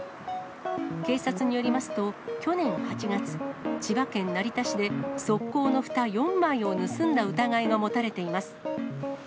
警察によりますと、去年８月、千葉県成田市で、側溝のふた４枚を盗んだ疑いが持たれています。